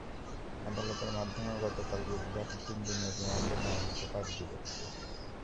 আদালতের মাধ্যমে গতকাল বুধবার তিন দিনের রিমান্ডে নেওয়া হয়েছে পাঁচ যুবককে।